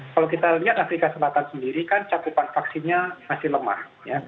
kalau kita lihat afrika selatan sendiri kan cakupan vaksinnya masih lemah